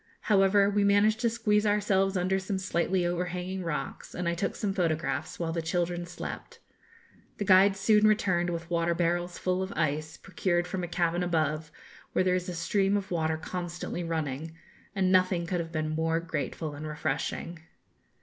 However, we managed to squeeze ourselves under some slightly overhanging rocks, and I took some photographs while the children slept. The guides soon returned with water barrels full of ice, procured from a cavern above, where there is a stream of water constantly running; and nothing could have been more grateful and refreshing.